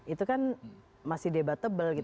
itu kan masih debatable